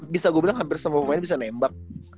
bisa gue bilang hampir semua pemain bisa nembak